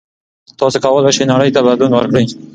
تاسو کولای شئ نړۍ ته بدلون ورکړئ.